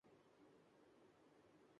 اب منہ چھپائے پھرتے ہیں۔